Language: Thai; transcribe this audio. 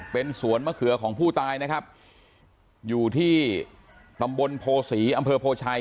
เป็นสวนมะเขือของผู้ตายนะครับอยู่ที่ตำบลโพศีอำเภอโพชัย